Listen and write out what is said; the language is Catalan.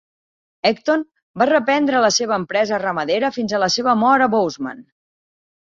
Ecton va reprendre la seva empresa ramadera fins a la seva mort a Bozeman.